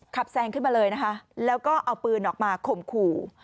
แซงขึ้นมาเลยนะคะแล้วก็เอาปืนออกมาข่มขู่